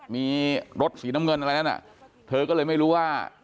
มีรถสีน้ำเงินอะไรนั้นเธอก็เลยไม่รู้ว่า